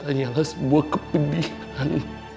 hanyalah sebuah kepedihan